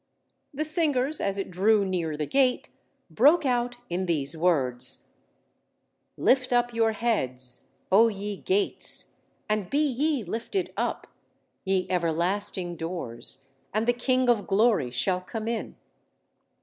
The singers, as it drew near the gate, broke out in these words: Lift up your heads, O ye gates, and be ye lifted up, ye everlasting doors, and the King of Glory shall come in.